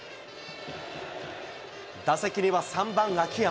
打席には３番秋山。